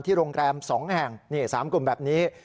ที่โรงแรม๒แห่ง๓กลุ่มแบบนี้